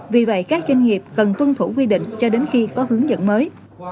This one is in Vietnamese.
vì vậy các doanh nghiệp cần tuân thủ quy định cho đến khi có hướng dẫn mới